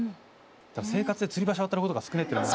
生活でつり橋渡ることが少ねえってのが。